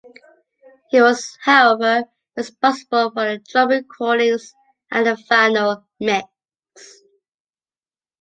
He was, however, responsible for the drum recordings and the final mix.